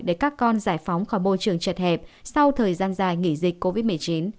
để các con giải phóng khỏi môi trường chật hẹp sau thời gian dài nghỉ dịch covid một mươi chín